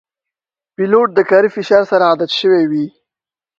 پیلوټ د کاري فشار سره عادت شوی وي.